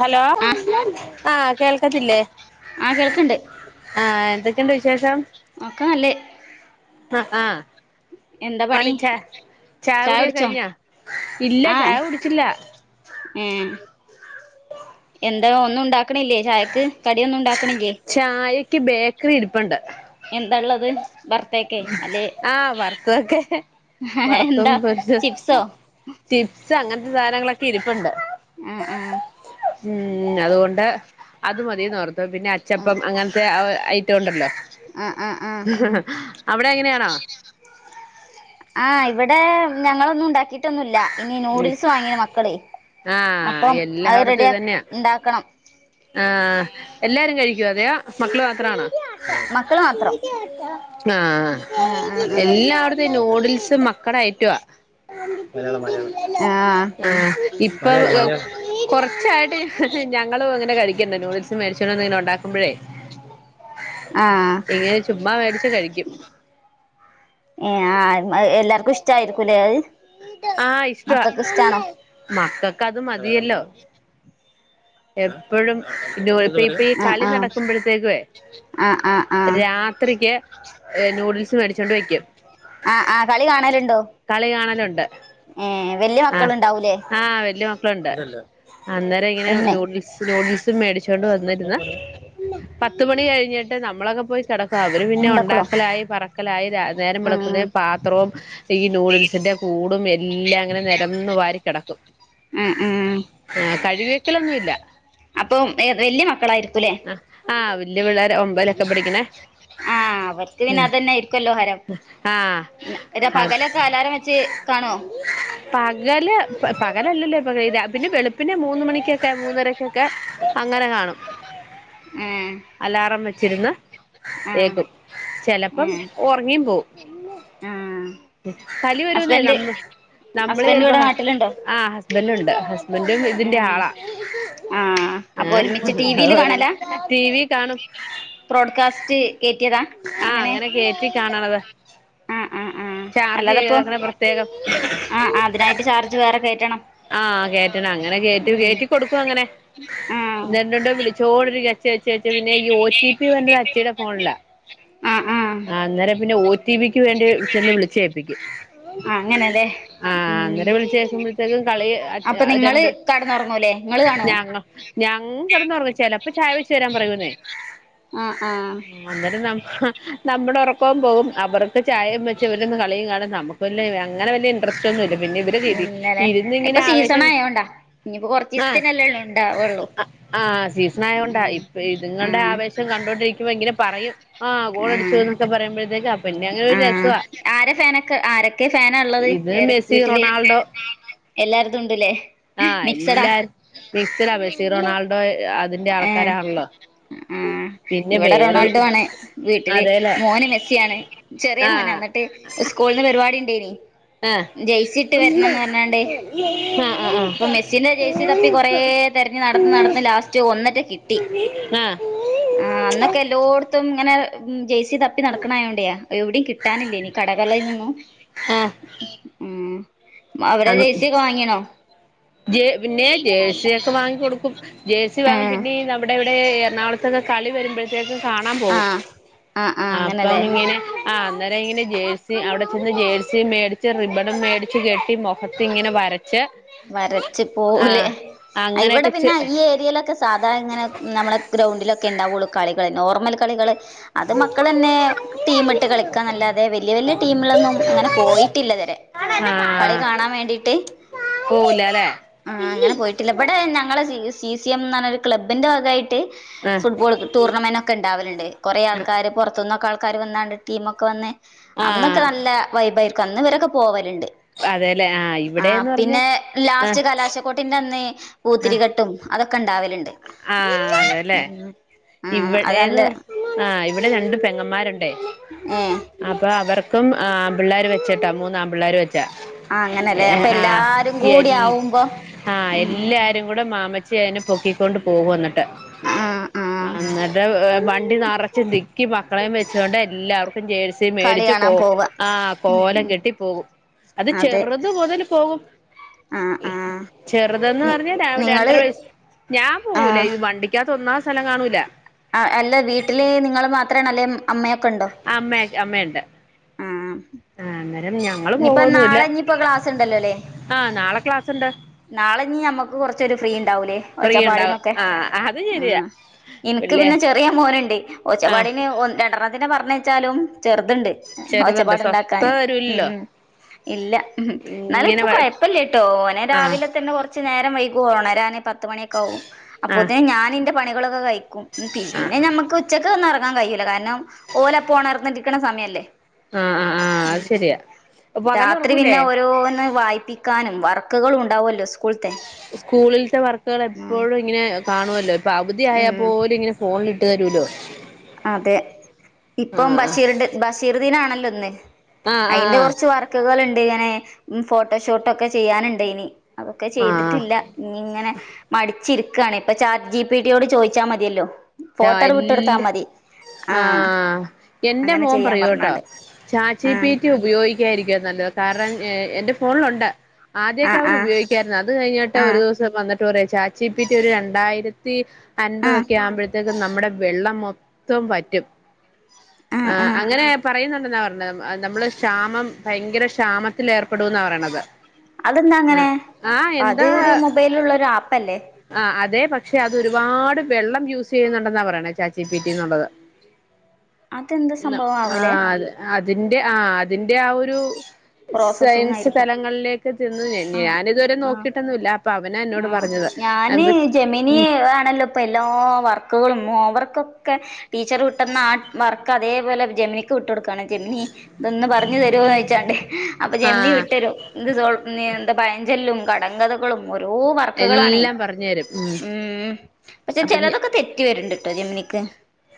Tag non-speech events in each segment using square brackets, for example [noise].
Hello ആഹ് ആഹ് കേൾക്കത്തില്ലേ? ആഹ് കേൾക്ക്ണ്ട് ആഹ് എന്തൊക്കെണ്ട് വിശേഷം ഒക്കെ നല്ലെ അഹ് ആഹ് പണി ച ചായ ചായുടിക്കെ കുടിച്ചോ കഴിഞ്ഞോ ഇല്ല ആഹ് ചായ കുടിച്ചില്ല ഏഹ് എന്തെ ഒന്നുണ്ടാ ക്ണ്ലെ ചായക്ക് കടിയൊന്നുണ്ടാക്ക്ണ്ല്ലേ ചായക്ക് ബേക്കറിഇരിപ്പുണ്ട് എന്താ ഒള്ളത് ബാ ആഹ് വറത്തു യൊക്കെ വറത്തും എന്താ പൊരിച്ചും ചിപ്സോ ചിപ്സ് അങ്ങനത്തെ സാധനങ്ങളൊക്കെ ഇരിപ്പോണ്ട് ആഹ് ആഹ് ഉം അത് കൊണ്ട് അത് മതിന്ന് ഓർത്തു പിന്നെ അ ആഹ് ചപ്പം അങ്ങനത്തെ ആ ഐറ്റം ഒണ്ടല്ലോ ആഹ് ആഹ് ആഹ് അവടെ അങ്ങനെയാണോ ആഹ് ഇവടെ ഞങ്ങളൊന്നും ഒണ്ടാക്കി ന്നോ ഇല്ല്യ ഇന്ന് ന്യുഡിൽസ് വാങ്ങിയ മക്കള് ആഹ് അപ്പം അത് എല്ലായിടത്തും റെഡി ഇത് തന്നെയാ ഇണ്ടാക്കണം ആഹ് എല്ലാരും കഴിക്കേയ്യോ അത് മക്കള് മാത്രണോ മക്കള് മാത്രം ആഹ് ആഹ് ആഹ് എല്ലാടത്തും ഈ ന്യൂഡിൽസും മക്കടേ [unintelligible] റ്റുവാ മലയാളം മലയാളം ആഹ് ഇപ്പം ആഹ് കൊറച്ചായിട്ട് ഞങ്ങളും ഇങ്ങനെ കഴിക്കണ്ട് ന്യൂഡിൽസ് മേടിച്ചേണ്ട് വന്ന് ഇങ്ങനെ ഒണ്ടാക്ക്മ്പാഴേ ആഹ് ഇങ്ങനെ ചുമ്മാ മേടിച്ച് കഴിക്കും യെ ആഹ് എല്ലാർക്കും ഇഷ്ടമായിരിക്കും അല്ലേ അത് ആഹ് ഇഷ്ടവാ മക്കൾക്ക് ഇഷ്ടാണോ മക്കക്ക് അത് മതിയല്ലോ എപ്പോഴും [unintelligible] ഈ ആഹ് കളി ആഹ് നടക്കുമ്പോഴത്തേക്കുവേ ആഹ് ആഹ് ആഹ് രാ ത്രിയ്ക്ക്യാ യെ ന്യൂഡിൽസ് മേടിച്ചോണ്ട് വെയ്ക്കും ആഹ് ആഹ് കളി കാണലോണ്ടോ കളി കാണലോണ്ട് ആഹ് മക്കളുണ്ടാവൂലേ ആഹ് വല്ല്യായ മക്കളോണ്ട് അന്നേരം ഇങ്ങനെ ഉമ്മേ ന്യൂഡിൽസ് നൂഡിൽസും മേടിച്ചൊണ്ട് വന്നിര്ന്നാ പത്ത്മണി കഴിഞ്ഞിട്ട് നമ്മളൊക്കെ പോയി കേടക്കും അവര് പിന്നെ മുണ്ടക്കുളോ ഒണ്ടാക്കലായി പറ ക്കലായി നേരം ഉം വേളക്ക്ഴ്ക്ക് പാത്രേം ഈ ന്യൂഡിൽസിന്റെ കൂടും എല്ലാം അങ്ങനെ നേരന്ന് വാരി കെടക്കും ഉം ഉം ആഹ് കഴുകിവെക്കലൊന്നു ഇല്ലാ അപ്പം വല്യ മക്കളായിരിക്കൂല്ലേ ആഹ് വല്ല്യാ പിള്ളേരാ ഒമ്പയ്ലൊക്കെ പഠിക്കണേ ആഹ് അവർക്ക് പിന്നെ അത് തന്നെ ആയിരിക്കുല്ലോ ഹരം ആഹ് ഇതാ ആഹ് പകല് [unintelligible] വെച്ച് കാണുവോ പകല് പകലയല്ല അല്ലേ ഇപ്പൊ പിന്നെ വെളുപ്പിന് മൂന്ന മണിക്കൊക്കെ മൂന്നര ക്കക്കെ അങ്ങനെ കാണും ഏഹ് അലാറം വെച്ചിരുന്ന് ആഹ് ഏക്കും ചെലപ്പം ഏഹ് ഒറങ്ങിയും പോവു ആഹ് കലി വരൂന്നേ ഹസ്ബൻഡ് നമ്മ നമ്മള് ഹസ്ബൻഡ് ചെപ്പോ ഇവിടെ ഹ നാട്ടിലുണ്ടോ ഹസ്ബൻെറ് ഉണ്ട് ഹസ് ൻ്റ് ഇതിൻ്റെ ഉം ആളാ ആഹ് [unintelligible] അപ്പൊ ആഹ് ഒരുമിച്ച് ടി വിയില് ഒരു കാണലാ ടി വി കാണും ബ്രോഡ്കാസ്റ്റ് കേറ്റിയതാ ആഹ് അങ്ങനെ കേയറ്റി കാണണാത് ആഹ് ആഹ് ആഹ് ചാർജ് ചെയ്ത് അല്ലാതെപ്പം അങ്ങനെ പ്രത്യേകം ആഹ് അതിനായിട്ട് ചാർജ് വേറെ കേറ്റാണം ആഹ് കേറ്റണം അങ്ങനെ കേറ്റി കേറ്റി കൊടുക്കും അങ്ങനെ [unintelligible] ആഹ് എത്തി എത്തി എത്തി പിന്നെ ഒ ടി പി വെരുന്ന അച്ചേട ഫോണിലാ ആഹ് ആഹ് അന്നേരം പിന്നെ ഓ ടിപിക്ക് വേണ്ടി ചേന്ന് വിളിച്ചേ ഏപ്പിക്കും ആഹ് അങ്ങനെല്ലേ ആഹ് ഉം അന്നേരം വിളിച്ച് [unintelligible] [unintelligible] കളി അപ്പൊ നിങ്ങള് രണ്ട് കടന്നുറങ്ങൂലേ നിങ്ങള് കാണുവോ ഞങ്ങ ഞങ്ങ കെടന്ന് ഒറങ്ങും ചെലപ്പേ ചായ വെച്ച് തേരാൻ പറയൂന്നേ ആഹ് ആഹ് അന്നേരം ന നമ്മടെ ഉറക്കം പോകും അവർ [unintelligible] ചായയും വെച്ച് ഇവര് ചായേം വെച്ച് ഇവര് ഇരുന്ന് കളിയും കാണും നമ്മുക്ക് വല്ല്യ അങ്ങന വല്ല്യാ ഇൻട്രസ്റ്റ് ഒന്നും ഇല്ല പിന്നെ ഇവരെ [unintelligible] ഇല്ലല്ലേ ഇപ്പൊ സീസണായോണ്ടാ ഇനിയിപ്പോ കൊറച്ച് ദിസത്താക്കാല്ലേ ഒള്ളു ഒണ്ടാവുള്ളു ആഹ് സീസൺ ആയതുകൊണ്ടാ ഇപ്പ ഇതുങ്ങളുടെ ആഹ് ആവേശം കണ്ടോണ്ടിരിക്കുമ്പോ ഇങ്ങനെ പറയും ആ ഗോളടിച്ചു ആഹ് എന്നൊക്കെ പറയുമ്പോഴത്തേക്കാ പിന്നെ അങ്ങനെ ഒരു ആഹ് രസവാ ആരെ ഫേനൊക്കെ ആരൊ ഒക്കെ ഫാനാ ഉള്ളത് ഇത് ഏത് മെസ്സി വീട്ടില് റൊണാൾഡോ എല്ലാടത്തും ഉണ്ടല്ലേ ആഹ് എല്ലാരും മിസില മെസ്സി റൊണാൾഡോ അതിന്റെ ഏഹ് ആൾക്കാരാണല്ലോ ആഹ് പിന്നെ ഇവിടെ വേറെ റൊണാൾഡോ ആണ് വീട്ടില് അതേല്ലേ മോന് മെസ്സിയാണ് ചെറിയ മോനാണ് ആഹ് എന്നിട്ട് സ്കൂളിൽ നിന്ന് പരിപാടി ഉണ്ടേനി ആഹ് ജെയ്സി ഇട്ട് ആഹ് വരണന്ന് പറഞ്ഞാണ്ട് ആഹ് ഇപ്പൊ മെസ്സിന്റെ ജെയ്സി തപ്പി കൊറേ തെരഞ്ഞ് നടന്നു നടന്നു ലാസ്റ്റ് ഒന്നറ്റ കിട്ടി ആഹ് അന്നൊക്കെ എല്ലോ തും ഇങ്ങനെ ജയ്സി ത പ്പി നടക്കണായോണ്ടയാ എവി ടിം കിട്ടാനില്ലേ നി കടകളയിൽ നിന്നു ആഹ് ഉം മ അവരാ ആഹ് ജെയ്സിയൊക്കെ വാങ്ങിണോ പിന്നെ ജേഴ്സിയൊക്കെ വാങ്ങി കൊടുക്കും ജേഴ്സി വാങ്ങും ഏഹ് പിന്നെ ഇവിടെ ഇവിടെ എറണാകുളത്തൊക്കെ കളി വരുമ്പഴത്തേക്ക് കാണാൻ പോകും ആഹ് ആഹ് ആഹ് അപ്പം അങ്ങനല്ലേ ഇങ്ങനെ ആഹ് അന്നേരം ഇങ്ങനെ ജേഴ്സി അവിടെ ചെന്ന് ജേഴ്സി മേടിച്ച് റിബണും മേടിച്ച് കെട്ടി മു അപ്പ ഇങ്ങനെ വരച്ച് വരച്ച് പോലേ ആഹ് ഇവിടെ അങ്ങനെയൊക്കെ പിന്നെ ഈ ചെ ഏരിയയിലൊക്കെ സാധാരണ ഇങ്ങനെ നമ്മളെ ഗ്രൗണ്ടിലൊക്കെ ഉണ്ടാവുള്ളൂ കളികള് നോർമൽ കളികള് അത് മക്കൾന്നെ ടീം ഇട്ട് കളിക്കാൻ അല്ലാതെ വലിയ വലിയ ടീമിലൊന്നും അങ്ങനെ പോയിട്ടില്ല ഇതുവരെ കളി ആഹ് കാണാൻ വേണ്ടിട്ട് പോവൂലല്ലേ ആ അങ്ങനെ പോയിട്ടില്ല ഇവിടെ ഞങ്ങളെ സീസ് സി സി എം എന്ന് പറഞ്ഞരു ക്ലബ്ബിന്റെ ഭഗമായിട്ട് ആഹ് ഫുട്ബോൾ ടൂർണമെന്റ് ഒക്കെ ഉണ്ടാവലുണ്ട് കൊറെ ആൾക്കാര് പുറത്തു നിന്നൊക്കെ ആൾക്കാര് വന്നാണ്ട് ടീമൊക്കെ വന്ന് അന്നൊക്കെ ആഹ് നല്ല വൈബൈർക്ക് അന്ന് ഇവരൊക്കെ പോവലുണ്ട് അതേല്ലേ ആഹ് ആ ഇവിടെന്ന് പറഞ്ഞ പിന്നെ ആഹ് ലാസ്റ്റ് കലാശക്കോട്ടിന്റെ അന്ന് പൂത്തിരികെട്ടും അതൊക്കെ ഉണ്ടാവലുണ്ട് ആതാല്ലേ ഉം ആ അത് നല്ല ഇവിടെന്ന് പറ ആഹ് ഇവിടെ രണ്ട് പെങ്ങന്മാരുണ്ടേ ഏ അപ്പൊ അവർക്കും ആൺ പിള്ളേർ വെച്ച്ട്ടാ മൂന്നാ ആൺ പിള്ളേർ വെ ആ അങ്ങനെല്ലേ അപ്പൊ ആഹ് എല്ലാരും കൂടി എൽ ആവുമ്പോ ആഹ് ഉം എല്ല ആതും കൂടെ മാമച്ചി അയിന് പൊക്കിക്കൊണ്ട് പോകും വന്നിട്ട് ആഹ് ആഹ് ആ ന്നിട്ട് വണ്ടി നറച്ച് തിക്കി മക്കളെയും വെച്ചോണ്ട് എല്ലാവർക്കും ജേഴ്സി കളി മേടിച്ചു കാണാൻ പോകും പോവ ആ കോലം ഉം കെട്ടി പോകും അത് അതെ ചെറുത് മുതൽ പോകും ആ ആ ചെറുതന്ന് നി പറഞ്ഞ രണ്ടര നിങ്ങള് വയസ് ഞാൻ ആ പോകൂലേ ഇത് വണ്ടിക്കകത്ത് ഒന്നാമത് സ്ഥലം കാണൂല ആഹ് അല്ല വീട്ടില് നിങ്ങൾ മാത്രണ അല്ലേ അമ്മയൊക്കെ ഉണ്ടോ ആഹ് അമ്മ അമ്മയുണ്ട് ആഹ് അം ആ അന്നേരം ഞങ്ങള് ഇനിയിപ്പോ പോകൊന്നുല്ല നാളെനി ഇപ്പൊ ക്ലാസ്സുണ്ടല്ലോല്ലേ ആ നാളെ ക്ലാസ്സുണ്ട് നാളെനി നമ്മുക്ക് കുറച്ചരു ഫ്രീ ഉണ്ടാവൂലേ ഫ്രീ ഉണ്ടാവും ഒച്ചപ്പാടിനൊക്കെ ആ അത് ശരിയാ ആഹ് എനിക്ക് പിള്ളേ പിന്നെ ചെറിയ മോനുണ്ട് ആ ഒച്ചപ്പാടിന് ഒ രണ്ടെണ്ണത്തിന്നെ പറഞ്ഞ വച്ചാലും ചെറുതുണ്ട് ചെറുതുണ്ട് ഒച്ചപ്പാടുണ്ടാക്കാന് സ്വസ്ഥതരൂല്ലല്ലോ ഉംഉം ഇല്ല എന്നാലും ഇങ്ങനെ ഇപ്പൊ കുഴപ്പില്ല ട്ടോ ഓനെ ആ രാവിലെ തന്നെ കൊറ കുറച്ചു നേരം വൈകും ഒണരാന് പത്തു മണിയൊക്കെ ആകും ആ അപ്പത്തെന് ഞാനിന്റെ പണികളൊക്കെ കഴിക്കും ഉം പിന്നെ നമ്മക്ക് ഉച്ചക്ക് ഒന്നും ഉറങ്ങാൻ കഴിയൂല്ല കാരണം ഓല് അപ്പൊ ഒണർന്നിരിക്കണ സമയല്ലേ ആഹ് ആഹ് ആഹ് അത് ഉം ശെരിയാ രാത്രി പിന്നെ ഓരോന്ന് വായിപ്പിക്കാനും വർക്കുകളും ഉണ്ടാവുമല്ലോ സ്കൂളത്തെ സ്കൂളിലത്തെ വർക്കുകൾ എപ്പോഴും ഇങ്ങനെ കാണുവല്ലോ ഇപ്പൊ അവധി ഉം ആയപ്പോലും ഇങ്ങനെ ഫോണിലിട്ട് തരുല്ലോ? അതെ ഇപ്പം ബഷീർ ബഷീറു ദീനാണല്ലോ ഇന്ന് ആഹ് അതിന്റെ ആഹ് കുറച്ച് വർ ക്കുകകള്ണ്ട് ഇങ്ങനെ ഫോട്ടോഷൂട്ട ഒക്കെ ചെയ്യാനുണ്ട് ഇനി. അതൊക്കെ ആഹ് ചെയ്തിട്ടില്ല ഇനി ഇങ്ങനെ മടിച്ചി ണ് ഇപ്പൊ ചാറ്റ് ജി പി റ്റി യോട് ചോദിച്ചാൽ മതിയല്ലോ ആഹ് ഫോട്ടോട് വിട്ടെടുത്താൽ എല്ല മതി. ആഹ് എൻ്റെ അങ്ങനെ മോൻ ചെയ്യാൻ പറയൂട്ടോ പറഞ്ഞാണ്ട് ചാറ്റ് ജി ആഹ് പീറ്റി ഉപയോഗിക്ക, യിരിക്കും നല്ലത് കാരണം എ എന്റെ ഫോണിലുണ്ട്. ആദ്യൊക്കെ ആഹ് അവർ ആഹ് ഉപയോഗിക്കാരായിരുന്നു അത് കഴിഞ്ഞിട്ട് ഒരു ആഹ് ദിവസം വന്നി,, ചാറ്റ് ജി പി ടി ഒരു രണ്ടായിരത്തി ആഹ് അൻപതൊക്കെ ആവുമ്പഴ,, ത് നമ്മടെ വെള്ളം മൊത്തം വറ്റും ആഹ് ആഹ് അങ്ങനെ പറയുന്നുണ്ടെന്നാ പറഞ്ഞത് നമ്മള് ക്ഷാമം ഭയങ്കര ക്ഷാമത്തിൽ ഏർപ്പെടുന്ന പറയണത്. അതെന്താ ആ അങ്ങനെ ആ അത് ഒരു മൊബൈലുള്ള ഒരു ആപ്പല്ലേ? ആഹ് അതെ പക്ഷെ അത് ഒരുപാട് വെള്ളം യൂസ്,, ചെയ്യുന്നുണ്ടെന്നാ പറയണേ ചാച്ചി പീറ്റിന്നുള്ളത് അതെന്ത് സംഭവം ആവലെ ആഹ് അതെ. അതിന്റെ ആഹ് അതിന്റെ ആഹ് ഒരു പ്രോസസിങ് സയൻസ് ആയിരിക്കും തലങ്ങളിലേക്ക് ചെന്ന ആഹ് ഞാനിതുവരെ ആഹ് നോക്കിട്ടൊന്നല്ല അപ്പൊ അവന എന്നോട് ആഹ് പറഞ്ഞത്. ഞാന് ഉം ജമിനീആണല്ലോ ഇപ്പ എല്ലാ വർക്കുകളും ഓവർക്ക് ടീച്ചർ വിട്ടന്ന ആ വർക്ക് അതേപോലെ ജമിനിക്ക് വിട്ടു കൊടുക്കുവാണ് ജെമിനി,, ഇതൊന്ന് പറഞ്ഞു തരുവോന്ന് ചോയ്ച്ചാണ്ടേ അപ്പൊ ആ ജെമിനി വിട്ട്, ഭയഞ്ചെല്ലും കട [unintelligible] ഓരോ വർക്കുകളാണേ എല്ലാം പറഞ്ഞു തരും ഉം. പക്ഷെ അപ്പൊ ചിലതൊക്കെ തെറ്റി വരണ്ട്ട്ടോ ജംനി ഓക്കെ.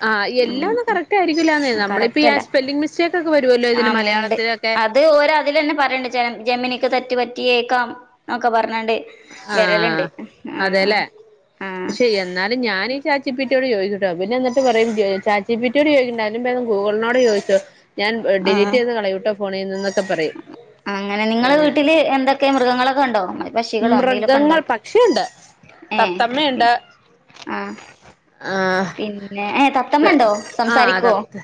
ആഹ് എല്ലാം ഒന്ന് കറക്റ്റ് ആയിരിക്കൂല്ലാന്നേ നമ്മളിപ്പ ഈ കറക്റ്റ് അല്ല സ്പെല്ലിംഗ് മിസ്റ്റേക്ക് ഒക്കെ വരുമല്ലോ ഇതിന് ആമിണ്ട് മലയാളത്തിലൊക്കെ,, അത് ഓരോ അതില തന്നെ പറഞ്ഞണ്ട് ചില ജെമിനിക്ക് തറ്റി പറ്റിയേക്കാം എന്നൊക്കെ പറഞ്ഞിണ്ട്. ആഹ് അതെല്ലേ ആഹ് പക്ഷേ എന്നാലും ഞാനീ ചാറ്റ് ജി പി റ്റിയോട് ചോദിക്കൂട്ടോ പിന്ന എന്നിട്ട് പറയും ചാറ്റ് ജി പി റ്റിയോട് ചോദിക്കണ്ട അതിലും ഭേദം ഗൂഗിളിനോട് ചോ,, ഞാൻ ഡിലീറ്റ് ആഹ് ചെയ്ത് കളയൂട്ടോ ഫോണിൽ നിന്നൊക്കെ പറയും. അങ്ങനെ നിങ്ങള് ഏഹ് വീട്ടില് എന്തൊക്കെ മൃഗങ്ങളൊക്കെ ഉണ്ടോ? വക്ഷികളോ എന്തെങ്കിലുമൊക്കെ ഉണ്ടോ മൃഗങ്ങൾ പക്ഷിയുണ്ട് ഏ. തത്തമ്മയുണ്ട് ആഹ് ആഹ് പിന്നെ ഏ തത്തമ്മണ്ടോ ആഹ് സംസാരിക്കുവോ? തത്ത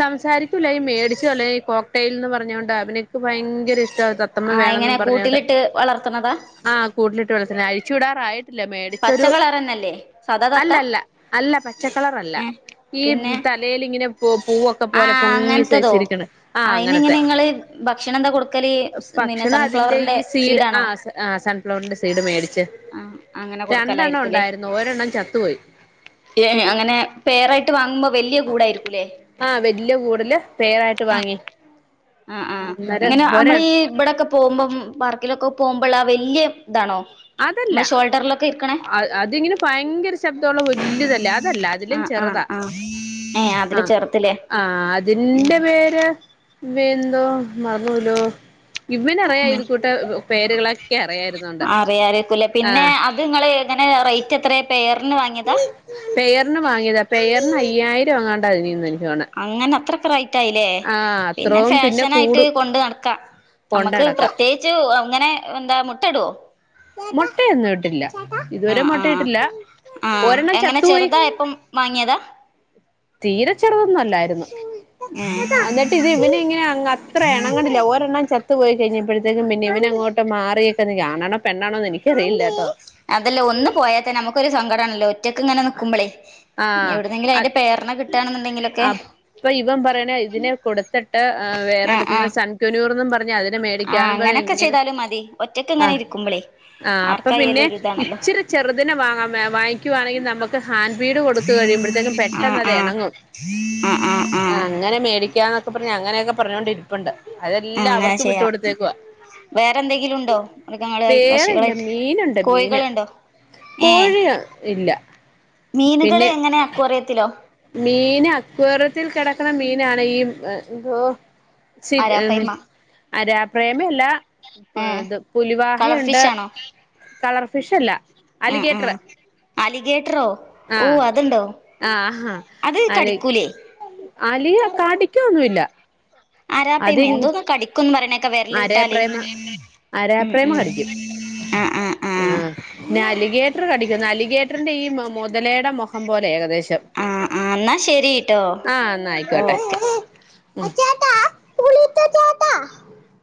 സംസാരിക്കൂല്ല ഈ മേടിച്ചുല്ലേ ഈ കോക്ടൈൽ എന്ന് പറഞ്ഞ കൊണ്ട് അഭിനയ്ക്ക് ഭയങ്കര ഇഷ്ടമാ അത് ആഹ് എങ്ങനെയാ കൂട്ടിലിട്ട് വളർത്തുന്നതാ? ആഹ് കൂട്ടിലിട്ട് വളർത്തന അഴിച്ചു വിടറായി,, ല്ല പച്ച മേടിച്ചൊരു കളറന്നല്ലേ സാദാ അല്ല തത്ത അല്ല അല്ല പച്ചക്കളർ അല്ല. ഏഹ് ഈ പിന്നെ തലയിൽ ഇങ്ങനെ പൂവൊക്കെ പോലെ ആഹ് അങ്ങനത്തതോ പൊങ്ങിസൈസിരിക്കിണ് ആഹ് അയിന് ഇങ്ങനെ അങ്ങനത്തെ. നിങ്ങള് ഭക്ഷണം എന്താ കൊടുക്കല് പിന്നെ സൺഫ്ലവറിന്റെ സീഡാണോ? ആ സൺഫ്ലവറിന്റെ സീഡ് മേടിച്ച് ആഹ് അങ്ങനെ രണ്ടെണ്ണം കൊടുക്കലായിരിക്കൂല്ലേ ഉണ്ടായിരുന്നു ഒരെണ്ണം ചത്ത, ഏ അങ്ങനെ പേറായിട്ട് വാങ്ങുമ്പോ വലിയ കൂടായിയിരിക്കുല്ലേ? ആ ഹ് വല്യ കൂടില് പെയർ ആയിട്ട് വാങ്ങി. ആഹ് ആഹ് അന്നേരം എങ്ങനെ ഒര നമ്മളീ ഈ ഇവിടെക്കെ,, പോകുമ്പം പാർക്കിലൊക്കെ പോകുമ്പോൾ ആ വലിയ ഇതാണോ? അതല്ല നമ്മളെ ഷോൾഡറിലൊക്കെ ഇരിക്കണേ അതിങ്ങനെ ഭയങ്കര ശബ്ദമുള്ള വലുതല്ലേ അതല്ല അതിലും ആഹ് ആഹ് ചെറുതാ. ആഹ് ഏഹ് അതില് ആഹ് ചെറുതില്ലേ ആ ഹ് അതിൻ്റെ ഉം പേര് വെന്തോ മറന്നൂലോ ഇവന് അറിയ ഉം ഇത് കൂട്ടെ പേരുകളൊക്കെ അറിയായിരുന്നോണ്ട്. അറിയാരിക്കൂല്ലേ പിന്നെ ആഹ് അത് നിങ്ങൾ ഇങ്ങനെ റേറ്റ് എത്രയാണ് പേറിന് വാങ്ങിയതാ? പേയർ വാങ്ങിയതാ പേയർ അയ്യായിരം എങ്ങാണ്ട അതിന് എനിക്ക്തോന്നണേ അങ്ങനെ അത്രകായി? ല്ലേ പിന്നെ അത്രവും ഫാഷൻ ആയിട്ട് കൂടും കൊണ്ട് നടക്കാം നമുക്ക് കൊണ്ടടക്കാം പ്രത്യ അങ്ങനെ എന്താ മുട്ട ഇടുവോ? മൊട്ടയൊന്നു ഇട്ടില്ല ഇതുവരെ ആഹ് ആഹ് മൊട്ടയിട്ടില്ല ഒരെണ്ണം ചത്തുപോയി. മാങ്ങ്യതാ. തീരെച്ചെറുതൊന്നു അല്ലായിര്ന്നു ഉം എന്നിട ഇത് ഇവന ഇങ്ങനെ അ അത്ര ഇണങ്ങ്ണ്ല്ല ഒരെണ്ണം ചത്തു പോയി കഴിഞ്ഞപ്പോഴത്തേക്കും പിന്നെ ഇവനങ്ങോട്ട് മാറി ച്ചന്ന് യാണാണോ പെണ്ണാണോന്ന് എനിക്കറിയില്ല ട്ടോ. അതെല്ല ഒന്ന് പോയാത്തെന്നെ നമുക്കൊരു സങ്കടാണല്ലോ. റ്റക്ക്ങ്ങനെ ന്ന്ക്കുമ്പളേ ഇനി ആഹ് എവിട്ന്നെങ്കിലും അയ്ന്റെ പെയർനെ കിട്ടാണെന്നുണ്ടെങ്കിലൊക്കെ. പ്പ ഇവൻ പറയണ ഇതിനെ കൊടുത്തിട്ട് അ ആഹ് വേറെടുത്ത്ന്ന് ആഹ് സൺക്യുനൂർന്നും പർ പഞതിനെ മേടിക്ക്യാ ആഹ് പറ അങ്ങനൊക്കെ എങ്ങനെ ചെയ്താലും മതി ഒറ്റക്ക് ഇങ്ങനെ അഹ് ഇരിക്കുമ്പളേ ആഹ് അപ്പ പിന്നെ ആർക്കായാലും ഒരു ഇതാണല്ലോ ഇച്ചിര്. ചെർദിനെ വങ്ങാ മേ വാങ്ങിക്ക്യും. ട്ടുവാണി നമക്ക് ഹാൻഡ് ഫീഡ് കൊടുത്ത് കഴിയുമ്പഴത്തേക്കും ആഹ് പെട്ടെന്നത് ആഹ് എണങ്ങും ആഹ്. ങ്ങനെ മേടിക്ക്യാന്നൊക്കെ പർഞ്ഞ് അങ്ങനെയൊക്കെ പർഞ്ഞോണ്ടിര്പ്പ്ണ്ട് അതെല്ലാ അവർക്ക് വിട്ടു കൊടുത്തേക്കുവ. വേറെന്തെങ്കിലുണ്ടോ മൃഗങ്ങളുവായി വേറെയില്ല പക്ഷികളായിട്ട് മീനുണ്ട് മീന് കോഴികള്ണ്ടോ? ഏഹ്. കോഴി ഇല്ല മീന്കള് എങ്ങനെ അക്ക്വോറിയത്തിലോ. മീന അക്വോറിയത്തിൽ കെടക്കണ മീനാണ് ഈ എം ന്തോ. സി ഉം ആരാപ്പയ്മ അരാ പ്രേമെല്ല. ഇപ്പ ഏ ഇത് കളർ പുലിവാഹയുണ്ട് ഫിഷ് ആണോ കളർഫിഷ് അല്ല അലിഗേറ്റർ അലിഗേറ്റ്റോ ആഹ് ഓഹ് അത്ണ്ടോ ആഹ് അത് അലി കടിക്കൂലേ. അലിയ കടിക്കൊന്നുമില്ല ആരാപ്പെയ് മെന്തോന്ന് കടി. ക്കുന്ന് പറിണേക്ക വെര്ല് ട്ടാല് അരേപ്രേമ ഉം അരാപ്രേമ ഉം കടിക്കും ആഹ് ആഹ് ആഹ്. പിന്നെ അലിഗേറ്റർ കടിക്കുന്നു അലിഗേറ്ററിന്റെ ഈ മൊതലയുടെ മുഖം പോലെ ഏകദേശം ആ ആ എന്നാ ശരിട്ടോ ച ആഹ് ന്നായ്ക്കോട്ടെ. ഓക്കെ ഉം.